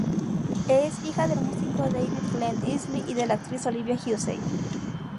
Es hija del músico David Glen Eisley y de la actriz Olivia Hussey.